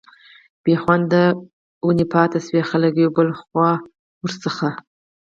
بي خونده ونې پاتي شوې، خلک يو بل خوا ور څخه